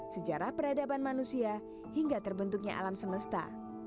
sejarah peradaban manusia hingga terbentuknya alam semesta